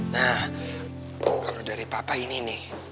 nah kalau dari papa ini nih